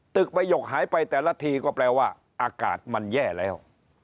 ประหยกหายไปแต่ละทีก็แปลว่าอากาศมันแย่แล้ว